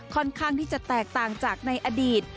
ค่อนข้างที่จะแตกต่างจากในอดีต